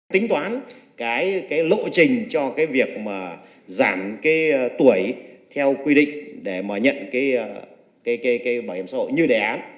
tính toán lộ trình cho việc giảm tuổi theo quy định để nhận bảo hiểm xã hội như đề án